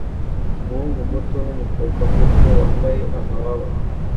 umuhungu muto numukobwa muto wambaye amababa